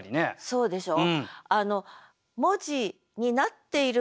そうでしょう？